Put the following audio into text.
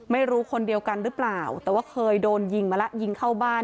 คนเดียวกันหรือเปล่าแต่ว่าเคยโดนยิงมาแล้วยิงเข้าบ้าน